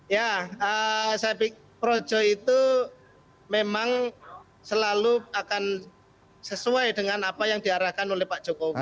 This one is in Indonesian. ya saya pikir projo itu memang selalu akan sesuai dengan apa yang diarahkan oleh pak jokowi